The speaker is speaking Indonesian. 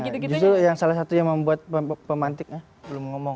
justru yang salah satunya membuat pemantik belum ngomong